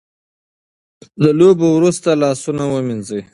د لوبو وروسته لاسونه ومینځئ.